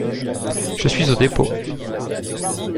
Je suis au dépôt.